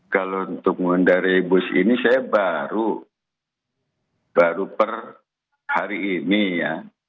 kalau temuan dari bus ini saya baru per hari ini ya